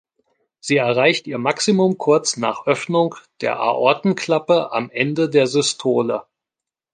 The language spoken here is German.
Sie erreicht ihr Maximum kurz nach Öffnung der Aortenklappe am Ende der Systole.